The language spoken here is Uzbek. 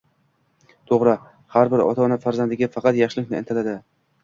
To‘g‘ri, har bir ota-ona farzandiga faqat yaxshilikni ilinadi